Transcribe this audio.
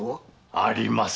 あります。